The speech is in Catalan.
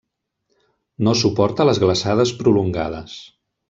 No suporta les glaçades prolongades.